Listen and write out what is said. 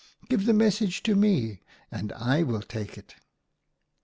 Give the message to me and I will take it.'